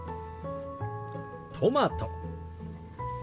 トマト。